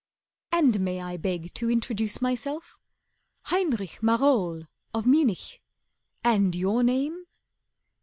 And may I beg to introduce myself? Heinrich Marohl of Munich. And your name?"